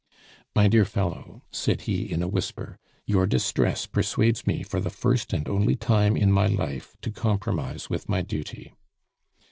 "My dear fellow," said he in a whisper, "your distress persuades me for the first and only time in my life to compromise with my duty."